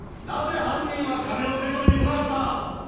なぜ犯人は金を受け取りに来なかった！